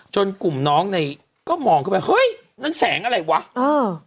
กลุ่มน้องในก็มองเข้าไปเฮ้ยนั่นแสงอะไรวะเออ